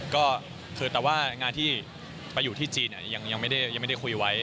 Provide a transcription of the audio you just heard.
ก็คือแต่ว่างานที่ไปอยู่ที่จีนยังไม่ได้คุยไว้